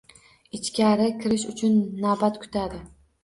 Ichkari kirish uchun navbat kutadi.